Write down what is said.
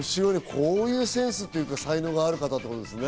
こういうセンスっていうか才能がある方なんですね。